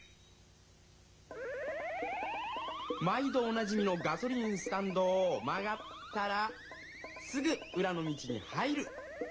毎どおなじみのガソリンスタンドをまがったらすぐうらの道に入る。